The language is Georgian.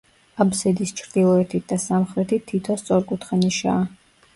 აბსიდის ჩრდილოეთით და სამხრეთით თითო სწორკუთხა ნიშაა.